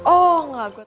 oh enggak gue